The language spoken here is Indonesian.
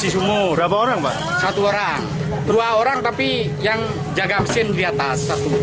satu orang dua orang tapi yang jaga mesin di atas satu